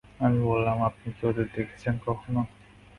আমি বললাম, আপনি কি ওদের দেখেছেন কখনো?